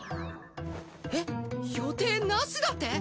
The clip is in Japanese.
えっ予定なしだって？